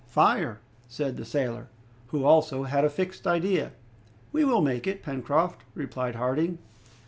"Fire," said the sailor, who, also, had a fixed idea. "We will make it, Pencroft," replied Harding.